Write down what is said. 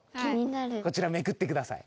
こちらめくってください。